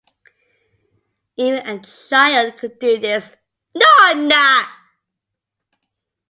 Even a child could do this.